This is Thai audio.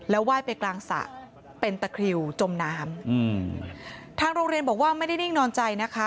ไหว้ไปกลางสระเป็นตะคริวจมน้ำอืมทางโรงเรียนบอกว่าไม่ได้นิ่งนอนใจนะคะ